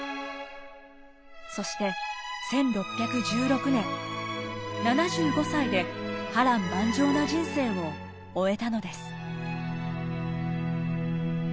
そして１６１６年７５歳で波乱万丈な人生を終えたのです。